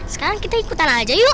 sekarang kita ikutan aja yuk